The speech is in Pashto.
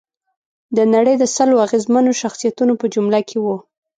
د نړۍ د سلو اغېزمنو شخصیتونو په جمله کې وه.